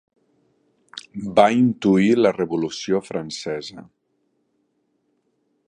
Va intuir la Revolució francesa.